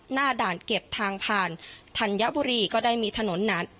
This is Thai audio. หน้าด่านเก็บทางผ่านธัญบุรีก็ได้มีถนนหนาน